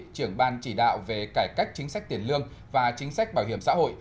trưởng ban chỉ đạo về cải cách chính sách tiền lương và chính sách bảo hiểm xã hội